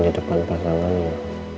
di depan pasangannya